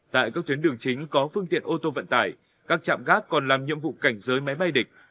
tại các tuyến đường chính có phương tiện ô tô vận tải các trạm gác còn làm nhiệm vụ cảnh giới máy bay địch